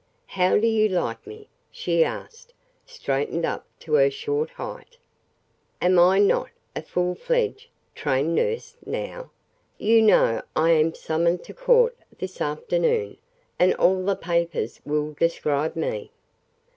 "How do you like me?" she asked, straightened up to her short height. "Am I not a full fledged 'strained' nurse, now? You know I am summoned to court this afternoon, and all the papers will describe me."